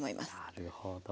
なるほど。